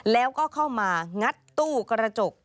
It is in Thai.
แล้วก็เข้ามางัดตู้กระจก